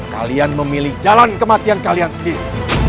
kalian memilih jalan kematian kalian sendiri